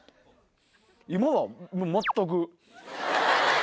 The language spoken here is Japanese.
今は全く。